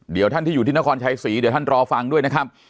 เดี๋ยวท่านที่อยู่ที่นครชัยศรีเดี๋ยวท่านรอฟังด้วยนะครับ